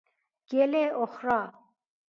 گل اخری